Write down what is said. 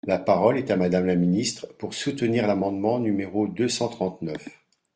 La parole est à Madame la ministre, pour soutenir l’amendement numéro deux cent trente-neuf.